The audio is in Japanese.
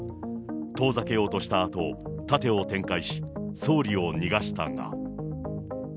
遠ざけようとしたあと、盾を展開し、総理を逃がしたが。